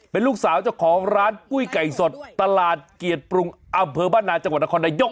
เป็นลูกสาวเจ้าของร้านกุ้ยไก่สดตลาดเกียรติปรุงอำเภอบ้านนาจังหวัดนครนายก